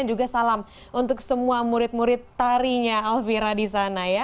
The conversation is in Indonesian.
dan juga salam untuk semua murid murid tarinya alfira di sana ya